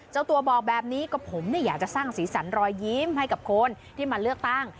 เจ้าตัวบอกแบบนี้ก็ผมอยากจะสร้างสีสันรอยยิ้มให้กับคนที่มาเลือกตั้ง